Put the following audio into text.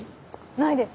ないです！